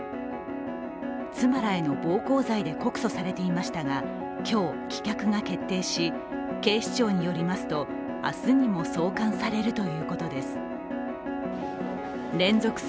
妻らへの暴行罪で告訴されていましたが、今日、棄却が決定し、警視庁によりますと明日にも送還されるということです。